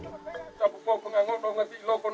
ibu ibu yang dianggap sebagai pernikahan yang menjengkelkan